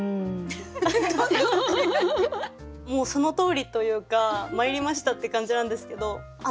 もうそのとおりというかまいりましたって感じなんですけど。